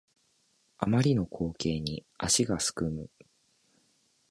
あまりの光景に足がすくむ